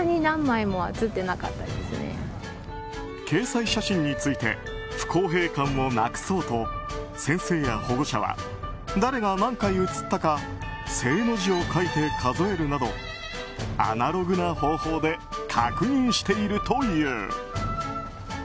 掲載写真について不公平感をなくそうと先生や保護者は誰が何回写ったか「正」の字を書いて数えるなどアナログな方法で確認しているという。